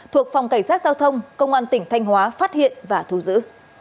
thuộc phòng cảnh sát giao thông công an tỉnh thanh hóa phát hiện và thu giữ